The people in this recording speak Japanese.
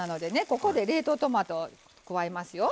ここで冷凍トマトを加えますよ。